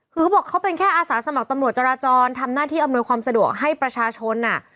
คือเขาบอกเขาเป็นแค่อาสาสมัครตำรวจจราจรทำหน้าที่อำนวยความสะดวกให้ประชาชนอ่ะ